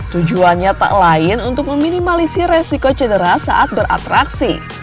tujuannya tak lain untuk meminimalisi resiko cedera saat beratraksi